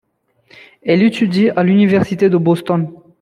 Elle étudie à l’université de Boston.